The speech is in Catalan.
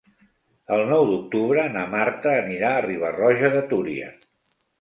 El nou d'octubre na Marta anirà a Riba-roja de Túria.